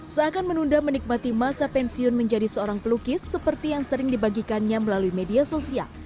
seakan menunda menikmati masa pensiun menjadi seorang pelukis seperti yang sering dibagikannya melalui media sosial